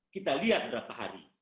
kita lihat berapa hari